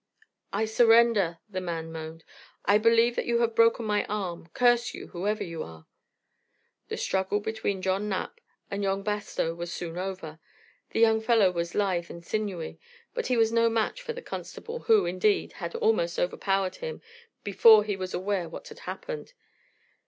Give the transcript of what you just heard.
"I surrender," the man moaned. "I believe that you have broken my arm. Curse you, whoever you are." The struggle between John Knapp and young Bastow was soon over. The young fellow was lithe and sinewy, but he was no match for the constable, who, indeed, had almost overpowered him before he was aware what had happened.